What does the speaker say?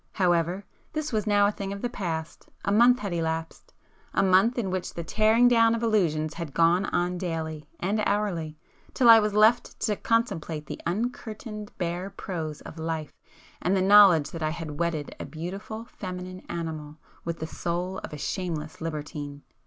However this was now a thing of the past; a month had elapsed,—a month in which the tearing down of illusions had gone on daily and hourly,—till I was left to contemplate the uncurtained bare prose of life and the knowledge that I had wedded a beautiful feminine animal with the soul of a shameless libertine.